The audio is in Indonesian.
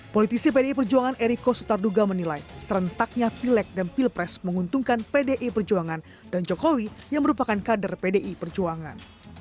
politisi pdi perjuangan eriko sutarduga menilai serentaknya pilek dan pilpres menguntungkan pdi perjuangan dan jokowi yang merupakan kader pdi perjuangan